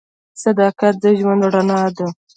• صداقت د ژوند رڼا ده.